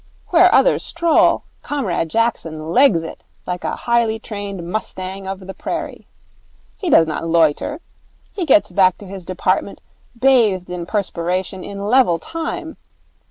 Where others stroll, Comrade Jackson legs it like a highly trained mustang of the prairie. He does not loiter. He gets back to his department bathed in perspiration, in level time.